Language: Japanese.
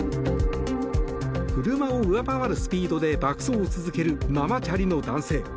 車を上回るスピードで爆走を続けるママチャリの男性。